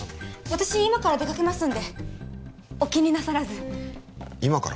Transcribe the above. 私今から出かけますんでお気になさらず今から？